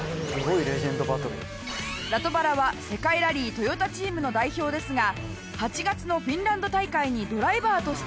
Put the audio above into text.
ラトバラは世界ラリートヨタチームの代表ですが８月のフィンランド大会にドライバーとしてエントリー。